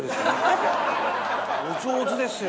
お上手ですよ！